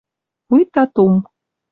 Вуйта тум